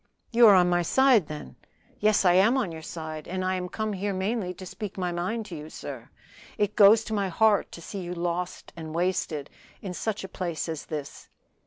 "You are on my side, then?" "Yes, I am on your side, and I am come here mainly to speak my mind to you. Sir, it goes to my heart to see you lost and wasted in such a place as this."